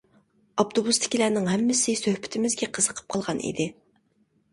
ئاپتوبۇستىكىلەرنىڭ ھەممىسى سۆھبىتىمىزگە قىزىقىپ قالغان ئىدى.